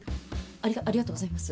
ありがありがとうございます。